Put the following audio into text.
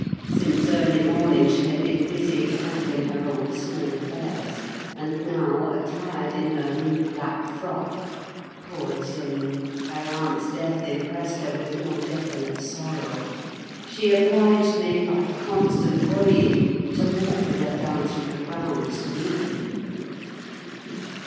Since early morning she had been busy ordering her own small affairs; and now attired in her new black frock—poor thing! her aunt's death impressed her with no definite sorrow—she obliged me, by constant worrying, to walk with her down through the grounds to meet them.